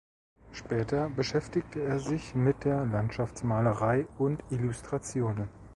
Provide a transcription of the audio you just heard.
Später beschäftigte er sich mit der Landschaftsmalerei und Illustrationen.